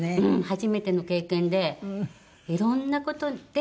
初めての経験でいろんな事で。